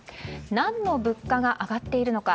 何の物価が上がっているのか。